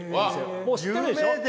もう知ってるでしょ？